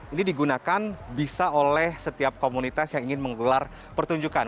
ini digunakan bisa oleh setiap komunitas yang ingin menggelar pertunjukan